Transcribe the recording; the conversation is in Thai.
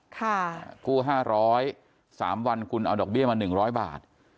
ค่ะกู้ห้าร้อยสามวันคุณเอาดอกเบี้ยมาหนึ่งร้อยบาท